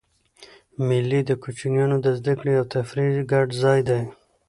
مېلې د کوچنيانو د زدهکړي او تفریح ګډ ځای دئ.